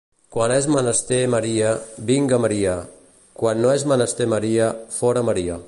Quan és menester Maria, vinga Maria; quan no és menester Maria, fora Maria.